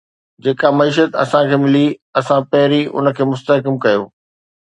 جيڪا معيشت اسان کي ملي، اسان پهرين ان کي مستحڪم ڪيو